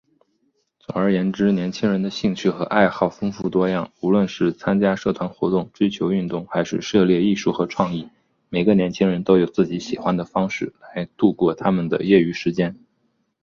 总而言之，年轻人的兴趣和爱好丰富多样。无论是参加社团活动、追求运动，还是涉猎艺术和创意，每个年轻人都有自己喜欢的方式来度过他们的业余时间。